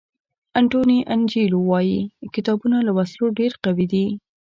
انټوني انجیلو وایي کتابونه له وسلو ډېر قوي دي.